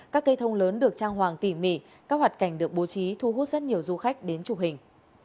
các cây thông lớn được trang hoàng tỉ mỉ các hoạt cảnh được bố trí thu hút rất nhiều du khách đến chụp hình